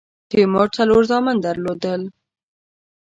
تیمور څلور زامن درلودل.